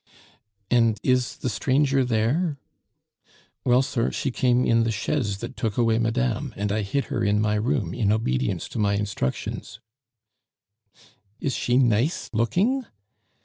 "And is the stranger there?" "Well, sir, she came in the chaise that took away madame, and I hid her in my room in obedience to my instructions " "Is she nice looking?"